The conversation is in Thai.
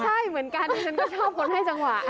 ใช่เหมือนกันตัวเนี้ยชายชอบคนให้จังหวะ